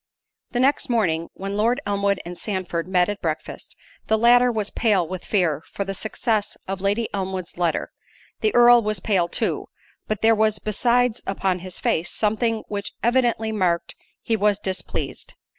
The next morning, when Lord Elmwood and Sandford met at breakfast, the latter was pale with fear for the success of Lady Elmwood's letter—the Earl was pale too, but there was besides upon his face, something which evidently marked he was displeased.